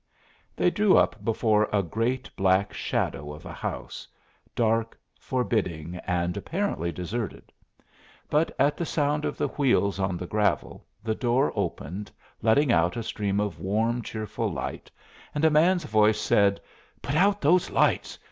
They drew up before a great black shadow of a house, dark, forbidding, and apparently deserted. But at the sound of the wheels on the gravel the door opened, letting out a stream of warm, cheerful light, and a man's voice said, "Put out those lights.